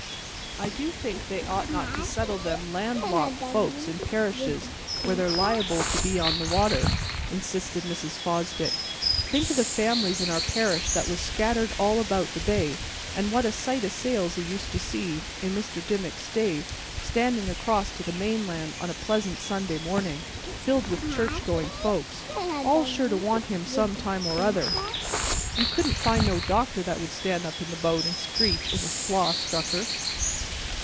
"I do think they ought not to settle them landlocked folks in parishes where they're liable to be on the water," insisted Mrs. Fosdick. "Think of the families in our parish that was scattered all about the bay, and what a sight o' sails you used to see, in Mr. Dimmick's day, standing across to the mainland on a pleasant Sunday morning, filled with church going folks, all sure to want him some time or other! You couldn't find no doctor that would stand up in the boat and screech if a flaw struck her."